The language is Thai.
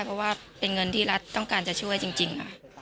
เพราะว่าเป็นเงินที่รัฐต้องการจะช่วยจริงค่ะ